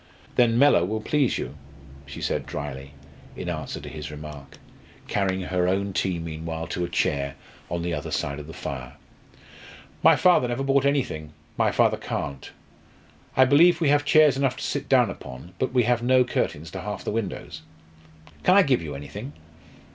"Then Mellor will please you," she said drily, in answer to his remark, carrying her own tea meanwhile to a chair on the other side of the fire. "My father never bought anything my father can't. I believe we have chairs enough to sit down upon but we have no curtains to half the windows. Can I give you anything?"